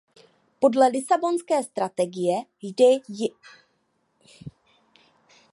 Podle Lisabonské strategie jde o nedílnou součást společné politiky zaměstnanosti.